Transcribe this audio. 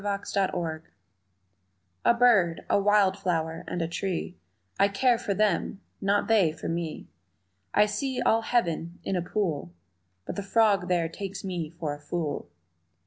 Indifference A BIRD, a wild flower and a tree I care for them, not they for me. I see all heaven in a pool But the frog there takes me for a fool.